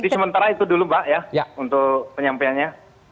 sementara itu dulu mbak ya untuk penyampaiannya